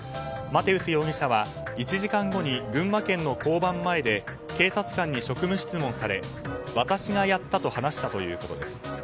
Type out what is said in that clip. マテウス容疑者は１時間後の群馬県の交番前で警察官に職務質問され私がやったと話したということです。